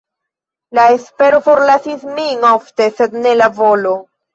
La espero forlasis min ofte, sed ne la volo.